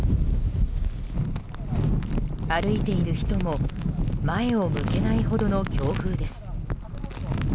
歩いている人も前を向けないほどの強風です。